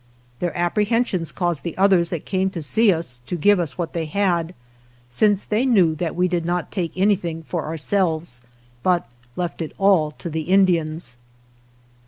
Their apprehen sions caused the others that came to see us to give us what they had, since they knew that we did not take anything for ourselves, but left it all to the Indians.